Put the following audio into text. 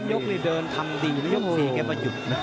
ยกนี่เดินทำดียก๔แกก็หยุดนะ